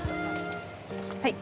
はい。